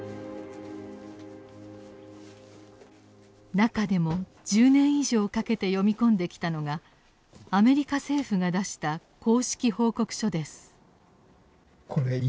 中でも１０年以上かけて読み込んできたのがアメリカ政府が出した公式報告書です。